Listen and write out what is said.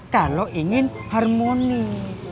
kalau ingin harmonis